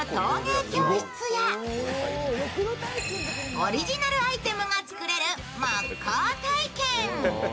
オリジナルアイテムが作れる木工体験。